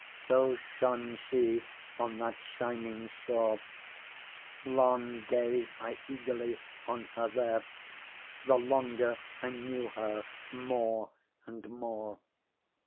So shone she on that shining shore :^ Long gazed I eagerly on her there ; The longer, I knew her more and more.